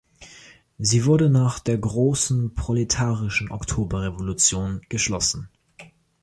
Sie wurde nach der großen proletarischen Oktoberrevolution geschlossen.